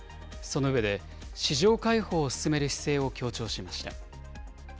その上で、市場開放を進める姿勢を強調しました。